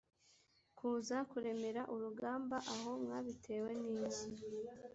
kuza kuremera urugamba aho mwabitewe n’iki ‽